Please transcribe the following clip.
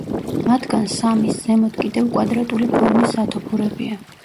მათგან სამის ზემოთ კიდევ კვადრატული ფორმის სათოფურებია.